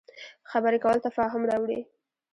خبرې کول تفاهم راوړي